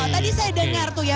tadi saya dengar tuh ya